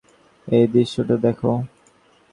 এই দৃশ্যটা দেখো।